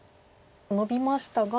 ノビましたが。